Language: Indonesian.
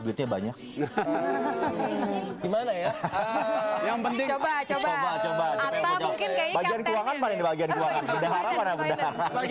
banyak gimana ya yang penting coba coba bagian keuangan bagian keuangan yang